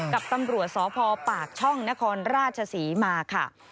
กับตำรวจสพปากช่องนครราชศรีมาค่ะ